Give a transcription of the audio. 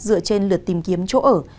dựa trên lượt tìm kiếm chỗ ở